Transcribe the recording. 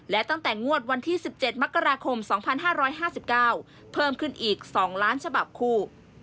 และตั้งแต่งวดวันที่๑๗มกราคม๒๕๕๙เพิ่มขึ้นอีก๒ล้านฉบับคู่